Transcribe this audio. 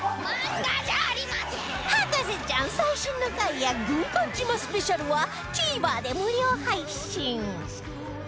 『博士ちゃん』最新の回や軍艦島スペシャルは ＴＶｅｒ で無料配信